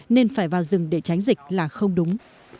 nên phải vào rừng để tránh dịch là không đúng